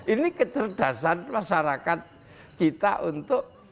ini kecerdasan masyarakat kita untuk